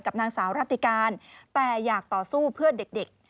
นางสาวรัติการแต่อยากต่อสู้เพื่อเด็ก